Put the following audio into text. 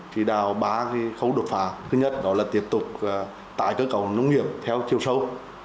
khi đào ba khấu đột phả thứ nhất là tiếp tục tải cơ cầu nông nghiệp theo chiều sâu